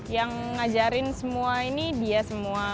yang ngajarin semua ini dia semua